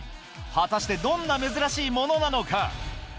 果たしてどんな珍しいものなのか？